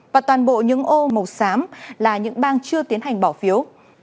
và toàn bộ những ô màu xám là những bang chưa tiến hành bỏ phiếu